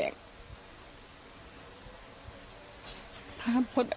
แล้วพวกมันแปลว่ามันพอตาย